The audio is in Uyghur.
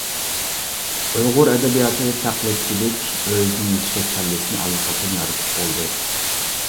ئۇيغۇر ئەدەبىياتىدا، تەقلىدچىلىك، ئۆزىنىڭ يۈكسەك پەللىسىنى ئاللىقاچان يارىتىپ بولدى.